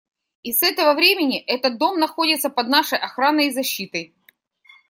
И с этого времени этот дом находится под нашей охраной и защитой.